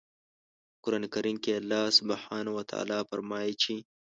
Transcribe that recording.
په قرآن کریم کې الله سبحانه وتعالی فرمايي چې